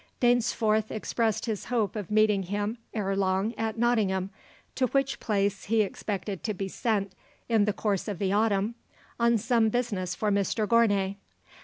Dainsforth expressed his hope of meeting him ere long at Nottingham, to which place he expected to be sent in the course of the autumn on some business for Mr Gournay.